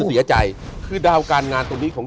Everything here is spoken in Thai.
เสียใจคือดาวการงานตรงนี้ของ